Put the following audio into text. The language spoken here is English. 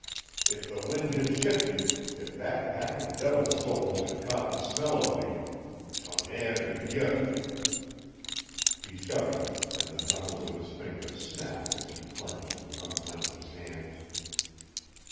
If the wind had shifted if that pack of devils' souls had caught the smell of me tonnerre de dieu!" He shuddered, and the knuckles of his fingers snapped as he clenched and unclenched his hands.